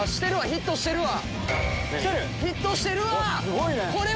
ヒットしてるわ！